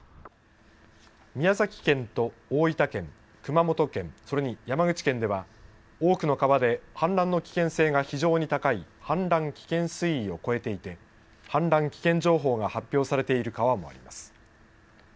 宮崎県と大分県、熊本県、それに山口県では多くの川で氾濫の危険性が非常に高い氾濫危険水位を超えていて氾濫危険情報が発表されている川もあります。